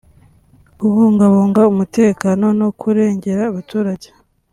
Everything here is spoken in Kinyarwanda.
kubungabunga umutekano no kurengera abaturage